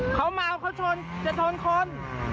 เขาเมาเขาชนจะชนคน